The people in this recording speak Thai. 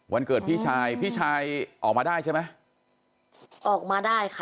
วันเกิดพี่ชายพี่ชายออกมาได้ใช่ไหมออกมาได้ค่ะ